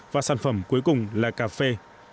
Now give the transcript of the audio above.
và sản phẩm cuối cùng là cà phê